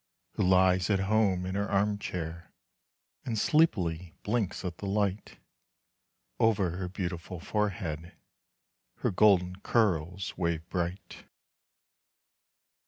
Who lies at home in her arm chair, And sleepily blinks at the light. Over her beautiful forehead Her golden curls wave bright.